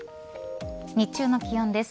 日中の気温です。